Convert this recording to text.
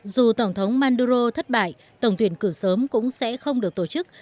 dù tổng thống manduro thất bại tổng tuyển cử sớm cũng sẽ không được tổ chức